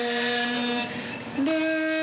อิสิทธิ์